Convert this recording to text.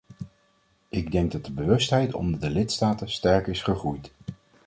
Ik denk dat de bewustheid onder de lidstaten sterk is gegroeid.